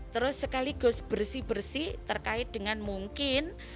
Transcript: terus sekaligus bersih bersih terkait dengan mungkin